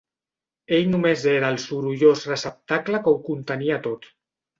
Ell només era el sorollós receptacle que ho contenia tot.